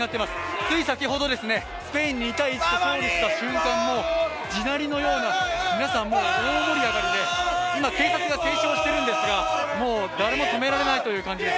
つい先ほど、スペインに２−１と勝利した瞬間も地鳴りのような、皆さんもう大盛り上がりで、今、警察が制止をしているんですがもう誰も止められないという感じです。